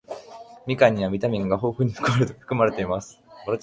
みかんにはビタミンが豊富に含まれています。